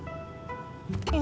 ya pak sofyan